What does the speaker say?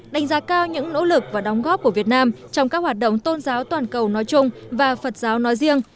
đánh giá cao những nỗ lực và đóng góp của việt nam trong các hoạt động tôn giáo toàn cầu nói chung và phật giáo nói riêng